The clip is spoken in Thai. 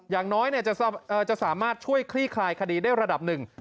อย่างน้อยจะสามารถช่วยคลี่คลายคดีได้ระดับหนึ่ง